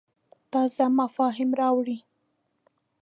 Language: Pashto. تازه مفاهیم راوړې.